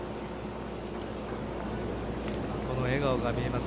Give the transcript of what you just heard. この笑顔が見えます